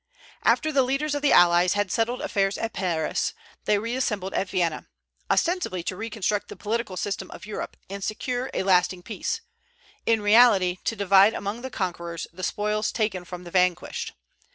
After the leaders of the allies had settled affairs at Paris, they reassembled at Vienna, ostensibly to reconstruct the political system of Europe and secure a lasting peace; in reality, to divide among the conquerors the spoils taken from the vanquished.